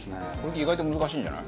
意外と難しいんじゃない？